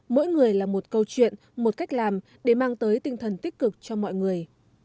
mỗi người là một câu chuyện một cách làm để mang tới tinh thần tích cực cho mọi người